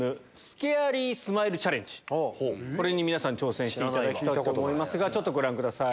これに皆さん挑戦していただきたいと思いますがちょっとご覧ください。